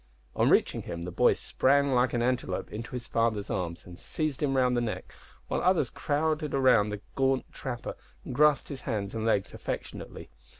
On reaching him the boy sprang like an antelope into his father's arms and seized him round the neck, while others crowded round the gaunt trapper and grasped his hands and legs affectionately.